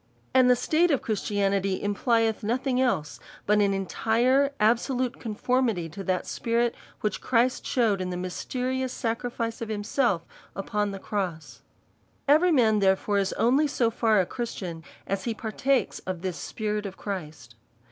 And the state of Christianity implieth nothing else but an entire, absohite conformity to that spirit which Christ shewed in the mysterious sacrifice of himself upon the cross. Every man, therefore, is only so far a Christian as he partakes of tliis Spirit of Christ.